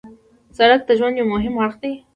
سړک د ژوند یو مهم اړخ دی.